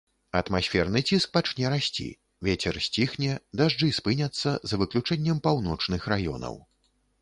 Атмасферны ціск пачне расці, вецер сціхне, дажджы спыняцца, за выключэннем паўночных раёнаў.